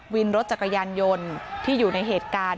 วินรถจักรยานยนต์ที่อยู่ในเหตุการณ์